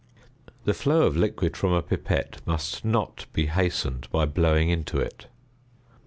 The flow of liquid from a pipette must not be hastened by blowing into it.